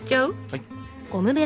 はい。